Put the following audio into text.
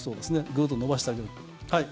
グーッと伸ばしてあげる。